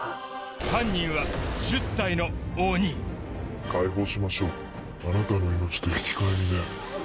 犯人は解放しましょうあなたの命と引き換えにね。